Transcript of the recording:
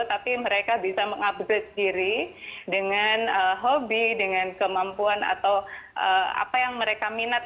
tapi mereka bisa mengupgrade diri dengan hobi dengan kemampuan atau apa yang mereka minat